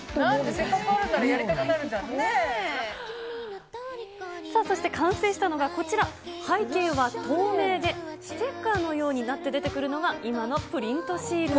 せっかくあるならやりたくなさあ、そして完成したのがこちら、背景は透明で、ステッカーのようになって出てくるのがプリントシール。